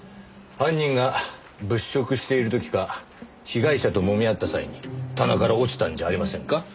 犯人が物色している時か被害者ともみ合った際に棚から落ちたんじゃありませんか？